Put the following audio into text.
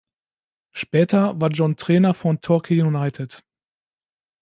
Später war John Trainer von Torquay United.